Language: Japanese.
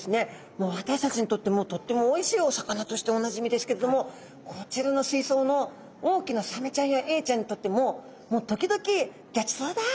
もう私たちにとってもとってもおいしいお魚としておなじみですけれどもこちらの水槽の大きなサメちゃんやエイちゃんにとってももう時々ギョちそうだっとですね